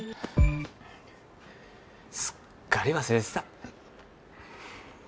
すっかり忘れてた。